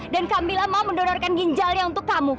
dan kamila mau mendonorkan ginjalnya untuk kamu